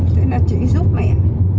thế là chị giúp mẹ